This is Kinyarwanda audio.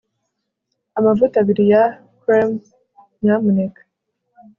amavuta abiri ya cream, nyamuneka